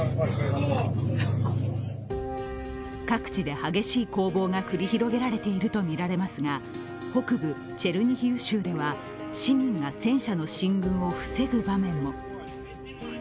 各地で激しい攻防が繰り広げられているとみられますが、北部チェルニヒウ州では市民が戦車の進軍を防ぐ場面も。